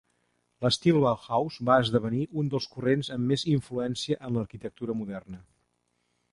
L'Estil Bauhaus va esdevenir un dels corrents amb més influència en l'arquitectura moderna.